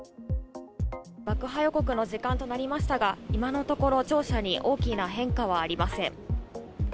爆破予告の時間となりましたが今のところ庁舎に大きな変化はありません。